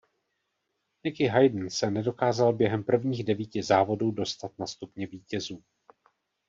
Nicky Hayden se nedokázal během prvních devíti závodů dostat na stupně vítězů.